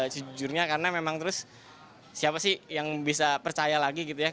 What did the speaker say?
sejujurnya karena memang terus siapa sih yang bisa percaya lagi gitu ya